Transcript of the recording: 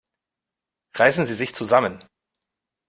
Reißen Sie sich zusammen!